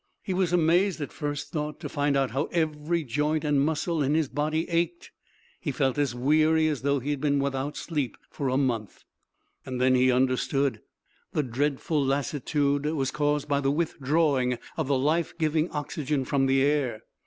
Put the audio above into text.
He was amazed, at first thought, to find out how every joint and muscle in his body ached. He felt as weary as though he had been without sleep for a month. Then he understood. The dreadful lassitude was caused by the withdrawing of the life giving oxygen from the air.